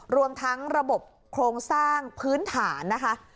รวมทั้งระบบโครงสร้างพื้นฐานนะคะ